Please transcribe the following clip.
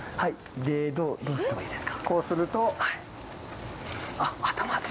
どうすればいいですか。